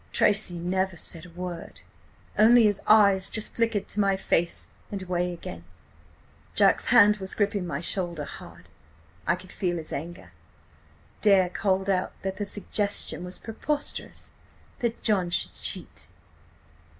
"Tracy never said a word. Only his eyes just flickered to my face and away again. "Jack's hand was gripping my shoulder hard. I could feel his anger. ... Dare called out that the suggestion was preposterous. That John should cheat!